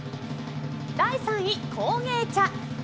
第３位、工芸茶。